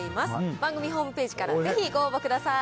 番組ホームページからぜひご応募ください。